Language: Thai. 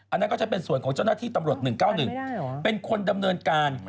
อันนั้นก็จะเป็นส่วนของเจ้าหน้าที่ตำรวจ๑๙๑เป็นคนดำเนินการ